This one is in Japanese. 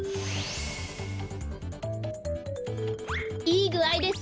いいぐあいです。